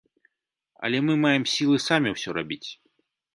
Але мы маем сілы самі ўсё рабіць.